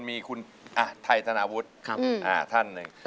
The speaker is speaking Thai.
มีคุณไทยธนาวุฒิท่านหนึ่ง